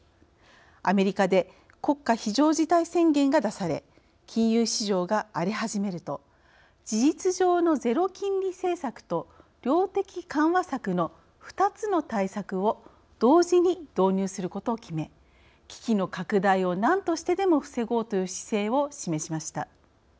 アメリカで国家非常事態宣言が出され金融市場が荒れ始めると事実上のゼロ金利政策と量的緩和策の２つの対策を同時に導入することを決め危機の拡大をなんとしてでも防ごうという姿勢を示しました。